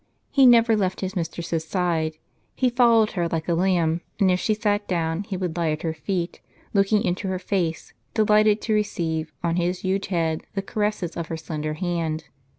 He never left his mis tress's side; he followed \un like a hunb; and if she sat down he would lie at her feet, looking into her face, delighted to receive, on his huge head, the caresses of her slender hand.